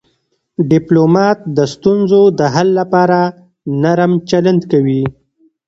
ډيپلومات د ستونزو د حل لپاره نرم چلند کوي.